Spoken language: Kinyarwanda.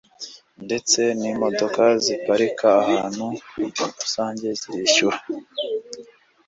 ndetse n’imodoka ziparika ahantu rusange zirishyura